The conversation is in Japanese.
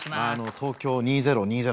東京２０２０